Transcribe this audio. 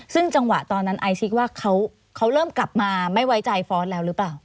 ซึ่งจังหวะตอนนั้นไอซิกว่าเขาเริ่มกลับมาไม่ไว้ใจฟ้อนแล้วหรือเปล่า